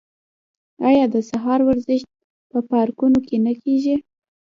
آیا د سهار ورزش په پارکونو کې نه کیږي؟